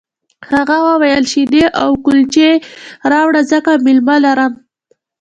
هغه وویل شیدې او کلچې راوړه ځکه مېلمه لرم